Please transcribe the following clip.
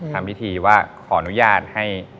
ทำพิธีว่าขออนุญาตให้